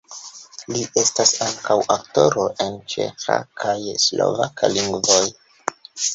Li estas ankaŭ aktoro en ĉeĥa kaj slovaka lingvoj.